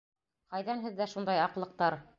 Ҡайҙан һеҙҙә шундай аҡлыҡтар?